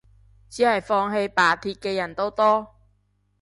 只係放棄罷鐵嘅人都多